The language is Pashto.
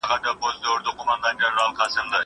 زه باید درس ولولم!؟